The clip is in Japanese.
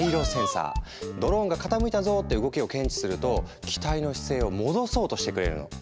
ドローンが「傾いたぞ！」って動きを検知すると機体の姿勢を戻そうとしてくれるの。